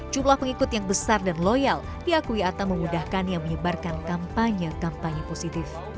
jumlah pengikut yang besar dan loyal diakui akan memudahkan yang menyebarkan kampanye kampanye positif